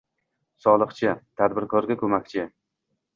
Soliqchi – tadbirkorga ko‘makchi